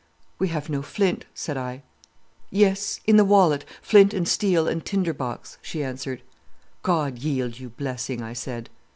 "'We have no flint,' said I. "'Yes—in the wallet, flint and steel and tinder box,' she answered. "'God yield you blessing,' I said.